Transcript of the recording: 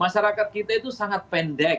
masyarakat kita itu sangat pendek